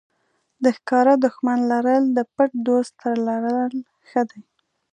د ښکاره دښمن لرل د پټ دوست تر لرل ښه دي.